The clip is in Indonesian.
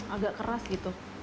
agak keras gitu